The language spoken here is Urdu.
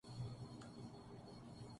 آنکھوں میں پھرنا